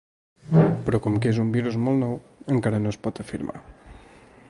Però com que és un virus molt nou, encara no es pot afirmar.